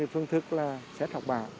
phương thức là xét học bảo